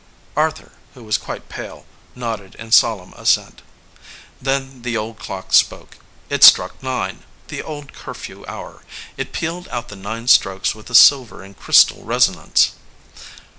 Arthur, who was quite pale, nodded in solemn assent. Then the old clock spoke. It struck nine, the old curfew hour. It pealed out the nine strokes with a silver and crystal resonance.